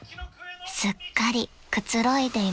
［すっかりくつろいでいます］